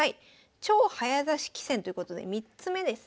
超早指し棋戦ということで３つ目ですね。